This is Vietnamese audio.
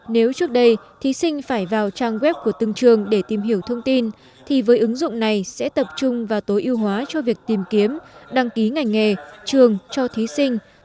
nếu trước đây thí sinh phải vào trang web của từng trường để tìm hiểu thông tin thì với ứng dụng này sẽ tập trung vào tối ưu hóa cho việc tìm kiếm đăng ký ngành nghề trường cho thí sinh